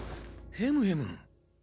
ヘムヘム。